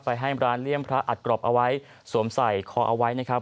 ให้ร้านเลี่ยมพระอัดกรอบเอาไว้สวมใส่คอเอาไว้นะครับ